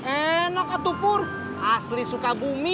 enak tuh purr asli sukabumi